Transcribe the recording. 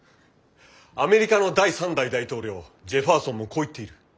アメリカの第３代大統領ジェファーソンもこう言っている。